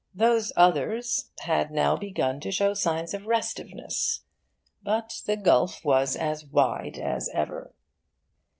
Those others had now begun to show signs of restiveness; but the gulf was as wide as ever.